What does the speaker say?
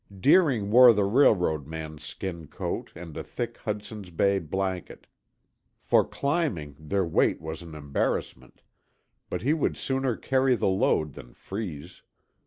Deering wore the railroad man's skin coat and a thick Hudson's Bay blanket. For climbing their weight was an embarrassment, but he would sooner carry the load than freeze.